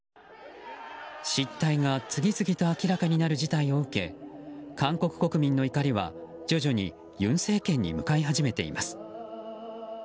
失態が次々と明らかになる事態を受け韓国国民の怒りは徐々に尹政権に向かい始めています。